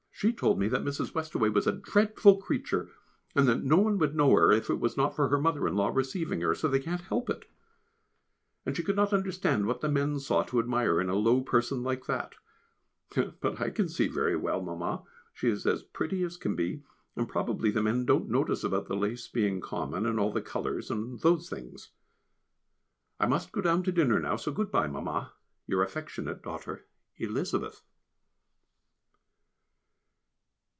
She told me Mrs. Westaway was a "dreadful creature," and that no one would know her, if it was not for her mother in law receiving her, so they can't help it. And she could not understand what the men saw to admire in a low person like that. But I can see very well, Mamma, she is as pretty as can be, and probably the men don't notice about the lace being common, and all the colours, and those things. I must go down to dinner now, so good bye, dear Mamma. Your affectionate daughter, Elizabeth.